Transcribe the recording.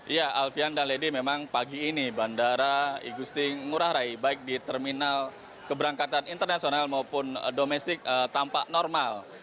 ya alfian dan lady memang pagi ini bandara igusti ngurah rai baik di terminal keberangkatan internasional maupun domestik tampak normal